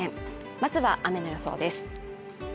まずは雨の予想です。